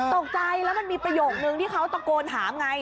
ตกใจแล้วมันมีประโยคนึงที่เขาตะโกนถามไง